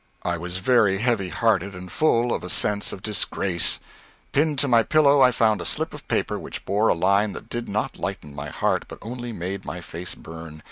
I was very heavy hearted, and full of a sense of disgrace. Pinned to my pillow I found a slip of paper which bore a line that did not lighten my heart, but only made my face burn.